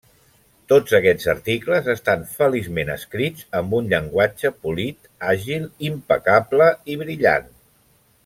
Tots aquests articles estan feliçment escrits amb un llenguatge polit, àgil, impecable i brillant.